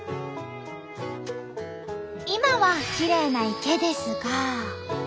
今はきれいな池ですが。